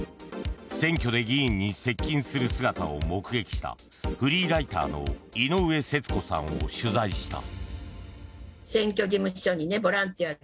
選挙で議員に接近する姿を目撃したフリーライターのいのうえせつこさんを取材した。